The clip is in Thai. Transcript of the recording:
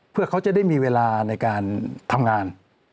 เพื่อเขาจะได้มีเวลาในการทำงาน